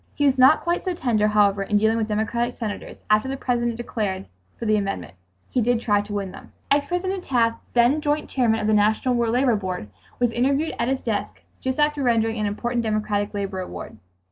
He was not quite so tender, however, in dealing with Democratic senators, after the President declared for the amendment. He did try to win them. Ex President Taft, then joint Chairman of the National War Labor Board, was interviewed at his desk just after rendering an important democratic labor award.